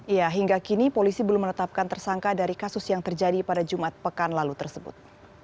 ya hingga kini polisi belum menetapkan tersangka dari kasus yang terjadi pada jumat pekan lalu tersebut